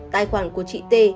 tài khoản của chị t